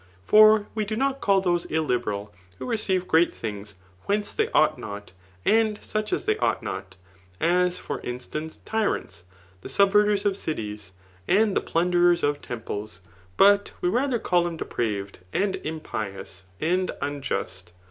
For we do not call thpse iUS^eral* who receive great things whence they ought not, and such as they ought not, as, for instance, tyrants, the sub* verters of cities, and die plunderers of temples ; butwe rather call them depraved and impious, and unjust.